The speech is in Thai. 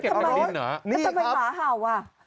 แต่ทำไมหาวอ่ะ